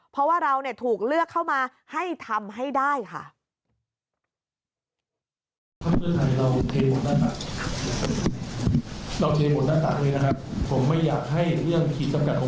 เพราะว่าเราถูกเลือกเข้ามาให้ทำให้ได้ค่ะ